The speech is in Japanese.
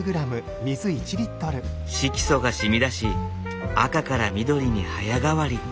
色素が染み出し赤から緑に早変わり。